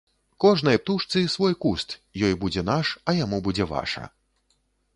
Кожнай птушцы свой куст, ёй будзе наш, а яму будзе ваша.